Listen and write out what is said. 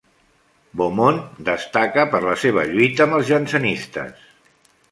Beaumont destaca per la seva lluita amb els jansenistes.